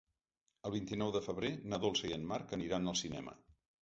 El vint-i-nou de febrer na Dolça i en Marc aniran al cinema.